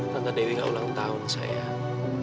tante dewi ga ulang tahun sayang